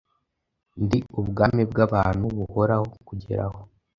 Ndi ubwami bwa bantu buhobora kugeraho